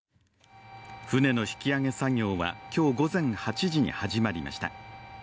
船の引き揚げ作業は今日午前８時に始まりました。